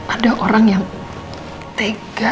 ada orang yang tega